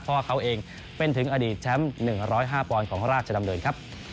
เพราะว่าเขาเองเป็นถึงอดีตแชมป์๑๐๕ปอนด์ของราชดำเนินครับ